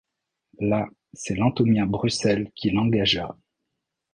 Là, c'est l'Atomia Brussels qui l'engagea.